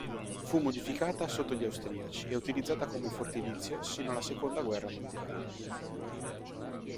Fu modificata sotto gli austriaci e utilizzata come fortilizio sino alla seconda guerra mondiale.